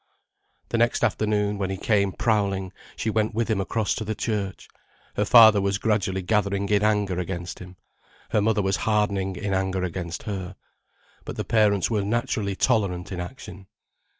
The next afternoon, when he came, prowling, she went with him across to the church. Her father was gradually gathering in anger against him, her mother was hardening in anger against her. But the parents were naturally tolerant in action.